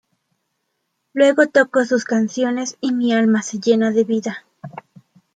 Luego toco sus canciones y mi alma se llena de vida.